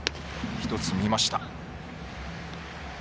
１つ見ました。